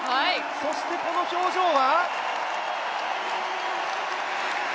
そしてこの表情は？